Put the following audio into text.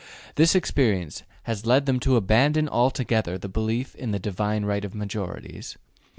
This experience has led them to abandon altogether the belief in the divine right of majorities.